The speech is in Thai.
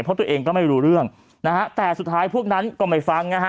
เพราะตัวเองก็ไม่รู้เรื่องนะฮะแต่สุดท้ายพวกนั้นก็ไม่ฟังนะฮะ